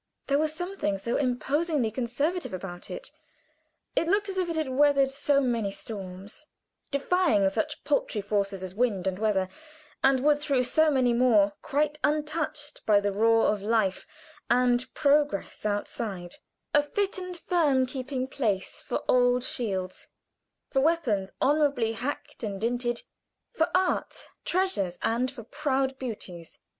There was something so imposingly conservative about it; it looked as if it had weathered so many storms; defying such paltry forces as wind and weather, and would through so many more, quite untouched by the roar of life and progress outside a fit and firm keeping place for old shields, for weapons honorably hacked and dinted, for tattered loyal flags for art treasures and for proud beauties.